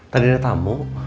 tadi ada tamu